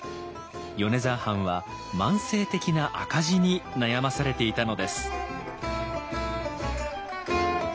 米沢藩は慢性的な赤字に悩まされていたのです。